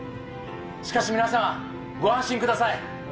しかし皆さんご安心ください。